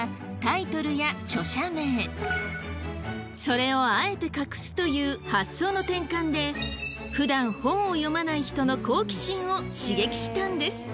それをあえて隠すという発想の転換でふだん本を読まない人の好奇心を刺激したんです。